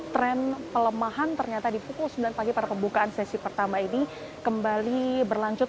tren pelemahan ternyata di pukul sembilan pagi pada pembukaan sesi pertama ini kembali berlanjut